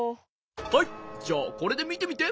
はいじゃあこれでみてみて。